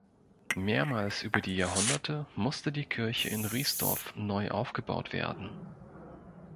Mehrmals über die Jahrhunderte musste die Kirche in Riesdorf neu aufgebaut werden.